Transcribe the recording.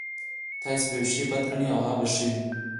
تاسې به يو شی بد ګڼئ او هغه به ښه وي.